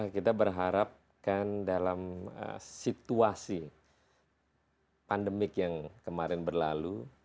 kita berharapkan dalam situasi pandemik yang kemarin berlalu